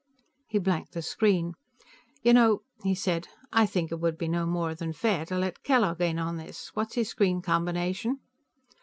He blanked the screen. "You know," he said, "I think it would be no more than fair to let Kellogg in on this. What's his screen combination?"